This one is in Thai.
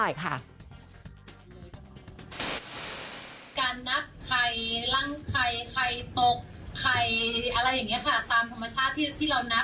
การนับไข่ล่างไข่ไข่ตกไข่อะไรอย่างนี้ค่ะ